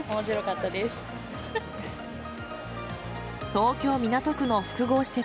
東京・港区の複合施設